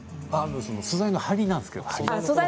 素材の張りなんですけど。